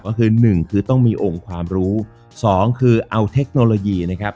ก็คือหนึ่งคือต้องมีองค์ความรู้สองคือเอาเทคโนโลยีนะครับ